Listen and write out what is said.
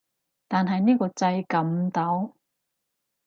但係呢個掣撳唔到